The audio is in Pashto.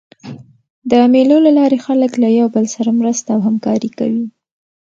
د مېلو له لاري خلک له یو بل سره مرسته او همکاري کوي.